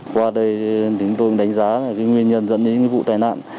qua đây chúng tôi đánh giá là những nguyên nhân dẫn đến những vụ tai nạn